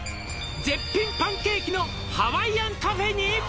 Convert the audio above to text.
「絶品パンケーキのハワイアンカフェに」